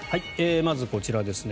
まず、こちらですね。